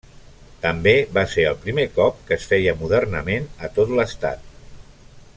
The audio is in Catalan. També va ser el primer cop que es feia modernament a tot l'Estat.